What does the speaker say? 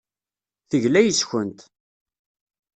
Tegla yes-kent.